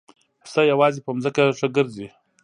پسه یوازې په ځمکه ښه ګرځي.